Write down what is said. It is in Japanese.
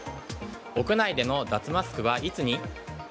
屋内での脱マスクはいつに？